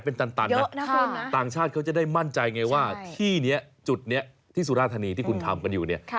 เป็นตันนะต่างชาติเขาจะได้มั่นใจไงว่าที่นี้จุดนี้ที่สุราธานีที่คุณทำกันอยู่เนี่ย